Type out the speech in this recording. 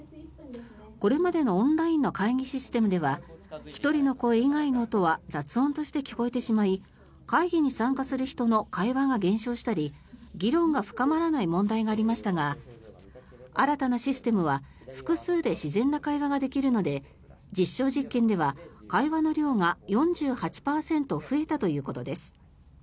これまでのオンラインの会議システムでは１人の声以外の音は雑音として聞こえてしまい会議に参加する人の会話が減少したり議論が深まらない問題がありましたが新たなシステムは複数で自然な会話ができるので実証実験では会話の量が４８％増えたということです。